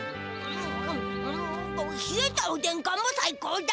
ひえたおでんかんもさい高だ！